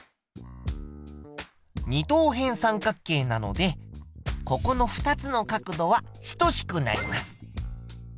二等辺三角形なのでここの２つの角度は等しくなります。